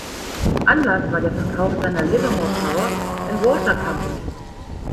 Anlass war der Verkauf seiner "Livermore Power and Water Company".